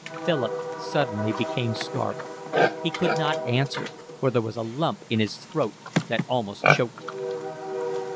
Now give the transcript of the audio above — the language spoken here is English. Philip suddenly became scarlet. He could not answer, for there was a lump in his throat that almost choked him.